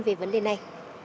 về vấn đề này